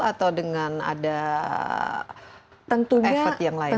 atau dengan ada efek yang lain